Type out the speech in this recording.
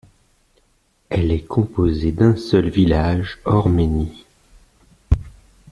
Elle est composée d'un seul village, Ormeniș.